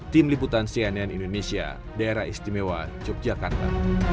tim liputan cnn indonesia daerah istimewa yogyakarta